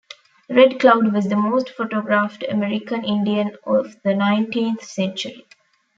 Red Cloud was the most photographed American Indian of the nineteenth century.